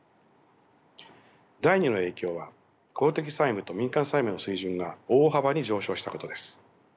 第２の影響は公的債務と民間債務の水準が大幅に上昇したことです。